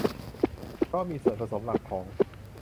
เพราะมีส่วนผสมหลักของ